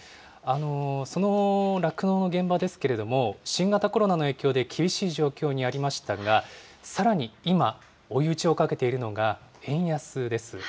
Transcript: その酪農の現場ですけれども、新型コロナの影響で厳しい状況にありましたが、さらに今、追い打ちをかけているのが円安です。